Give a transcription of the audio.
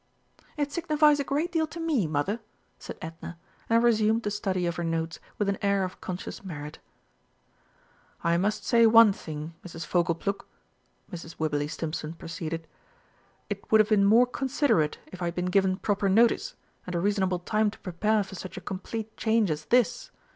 "It signifies a great deal to me, mother," said Edna, and resumed the study of her notes with an air of conscious merit. "I must say one thing, Mrs. Fogleplug," Mrs. Wibberley Stimpson proceeded; "it would have been more considerate if I had been given proper notice, and a reasonable time to prepare for such a complete change as this.